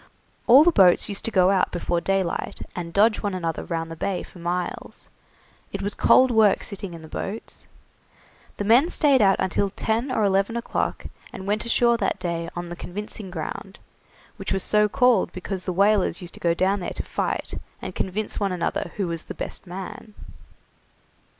All the boats used to go out before daylight, and dodge one another round the Bay for miles. It was cold work sitting in the boats. The men stayed out until ten or eleven o'clock, and went ashore that day on the Convincing Ground, which was so called because the whalers used to go down there to fight, and convince one another who was the best man.